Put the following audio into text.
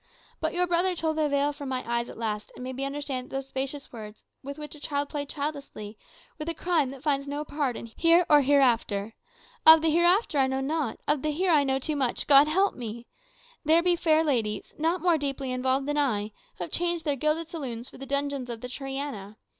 But your brother tore the veil from my eyes at last, and made me understand that those specious words, with which a child played childishly, were the crime that finds no pardon here or hereafter. Of the hereafter I know not; of the here I know too much, God help me! There be fair ladies, not more deeply involved than I, who have changed their gilded saloons for the dungeons of the Triana.